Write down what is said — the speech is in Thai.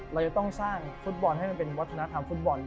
เราจะต้องสร้างฟุตบอลให้มันเป็นวัฒนธรรมฟุตบอล